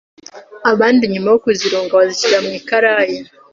abandi nyuma yo kuzironga bazishyira ku ikarayi